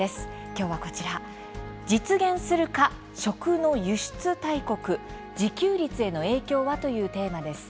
きょうはこちら「実現するか食の“輸出大国”自給率への影響は？」というテーマです。